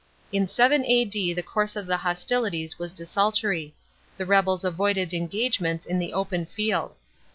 In 7 A.D. the course of the hostilities was desultory ; the rebels avoided engagements in the open field.